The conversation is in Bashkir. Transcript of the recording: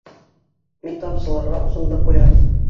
Мин тамсыларға усымды ҡуям.